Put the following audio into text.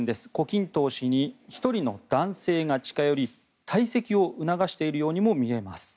胡錦涛氏に１人の男性が近寄り退席を促しているようにも見えます。